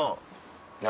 何？